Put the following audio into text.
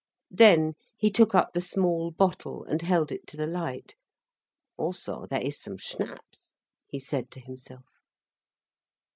Then he took up the small bottle, and held it to the light. "Also there is some Schnapps," he said to himself.